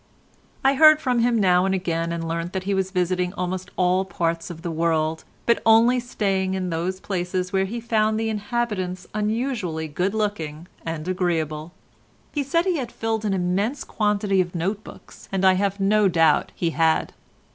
I heard from him now and again and learnt that he was visiting almost all parts of the world, but only staying in those places where he found the inhabitants unusually good looking and agreeable. He said he had filled an immense quantity of note books, and I have no doubt he had.